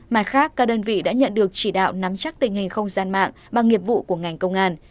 mặt khác các đơn vị đã nhận được chỉ đạo nắm chắc tình hình không gian mạng và nghiệp vụ của ngành công an